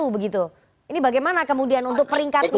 betul ini bagaimana kemudian untuk peringkatnya